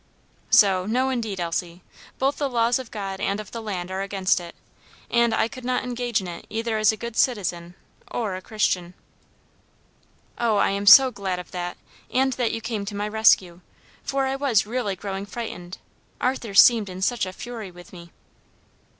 "So, no indeed, Elsie; both the laws of God and of the land are against it, and I could not engage in it either as a good citizen or a Christian." "Oh, I am so glad of that, and that you came to my rescue; for I was really growing frightened, Arthur seemed in such a fury with me."